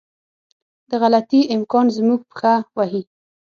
د غلطي امکان زموږ پښه وهي.